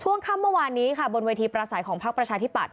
ช่วงค่ำเมื่อวานนี้ค่ะบนเวทีประสัยของพักประชาธิปัตย